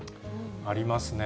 ありますね。